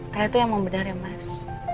ternyata emang benar ya mas